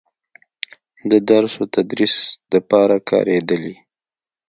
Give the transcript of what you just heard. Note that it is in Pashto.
د درس و تدريس دپاره کارېدلې